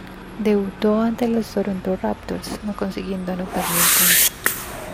Debutó ante los Toronto Raptors, no consiguiendo anotar ni un punto.